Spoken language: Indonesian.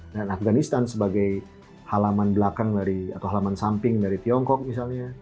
dan afganistan sebagai halaman belakang atau halaman samping dari tiongkok misalnya